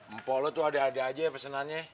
empok lo tuh ada ada aja pesenannya